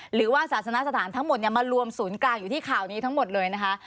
ศาสนสถานทั้งหมดมารวมศูนย์กลางอยู่ที่ข่าวนี้ทั้งหมดเลยนะคะ